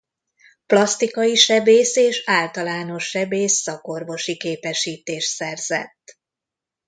Plasztikai sebész és általános sebész szakorvosi képesítést szerzett.